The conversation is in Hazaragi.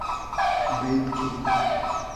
بݷد کی